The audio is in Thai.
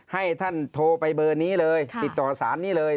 ให้ท่านโทรไปเบอร์นี้เลยติดต่อสารนี้เลย